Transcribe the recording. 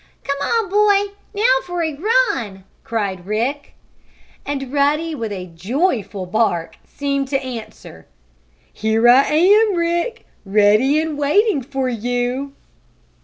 "Come on boy! Now for a run!" cried Rick. And Ruddy, with a joyful bark, seemed to answer: "Here I am, Rick, ready and waiting for you!"